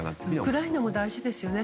ウクライナも大事ですよね。